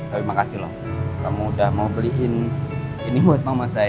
tapi makasih loh kamu udah mau beliin ini buat mama saya